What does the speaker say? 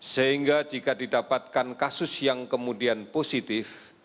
sehingga jika didapatkan kasus yang kemudian positif